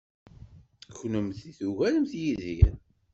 Kennemti tugaremt Yidir.